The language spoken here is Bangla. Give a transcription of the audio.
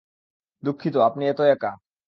দুঃখিত আপনি এতো একা।